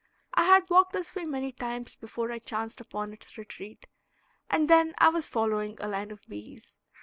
I had walked this way many times before I chanced upon its retreat; and then I was following a line of bees.